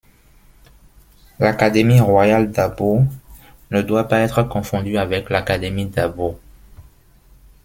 L'Académie royale d'Åbo ne doit pas être confondue avec l'Académie d'Åbo.